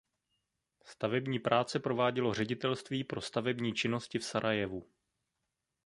Stavební práce provádělo Ředitelství pro stavební činnosti v Sarajevu.